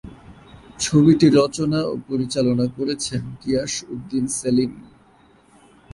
ছবিটি রচনা ও পরিচালনা করেছেন গিয়াস উদ্দিন সেলিম।